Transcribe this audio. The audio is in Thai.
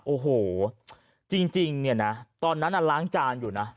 โอ้โหจริงเนี่ยนะตอนนั้นล้างจานอยู่นะ